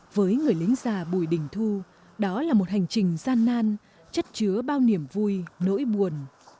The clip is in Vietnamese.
với người lính già bùi đình thu đó là một hành trình gian nan chất chứa bao niềm vui nỗi buồn